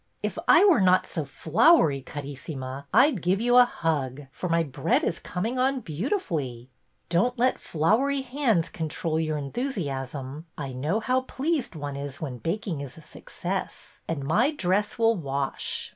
If I were not so floury, Carissima, I 'd give you a hug, for my bread is coming on beautifully." '' Don't let floury hands control your enthusi asm; I know how pleased one is when baking is a success. And my dress will wash."